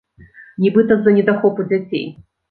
Нібыта, з-за недахопу дзяцей.